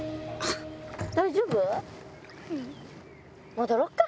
戻ろっか。